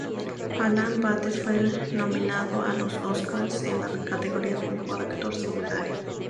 Alan Bates fue nominado a los Oscar en la categoría de mejor actor secundario.